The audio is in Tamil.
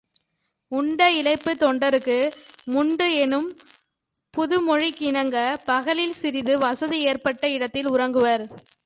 உண்டஇளைப்புத் தொண்டர்க்கு முண்டு என்னும் முதுமொழிக்கிணங்கப் பகலில் சிறிது வசதி ஏற்பட்ட இடத்தில் உறங்குவர்.